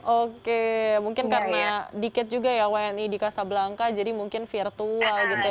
oke mungkin karena dikit juga ya wni di casablangka jadi mungkin virtual gitu ya